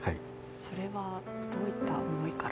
それはどういった思いから？